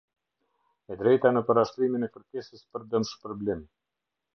E drejta në parashtrimin e kërkesës për dëmshpërblim.